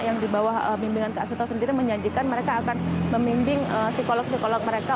yang di bawah bimbingan kak suto sendiri menjanjikan mereka akan membimbing psikolog psikolog mereka